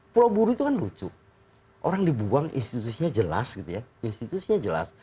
pulau buru itu kan lucu orang dibuang institusinya jelas gitu ya institusinya jelas